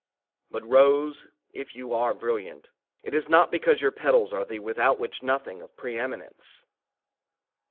But rose, if you are brilliant, it is not because your petals are the without which nothing of pre eminence.